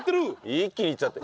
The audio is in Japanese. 一気にいっちゃって。